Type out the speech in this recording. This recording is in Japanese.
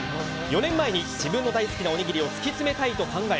４年前に自分の大好きなおにぎりを突き詰めたいと考え